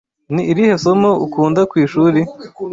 Ni irihe somo ukunda kwishuri?